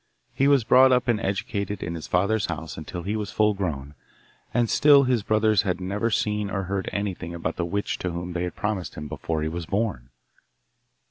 He was brought up and educated in his father's house until he was full grown, and still his brothers had never seen or heard anything about the witch to whom they had promised him before he was born.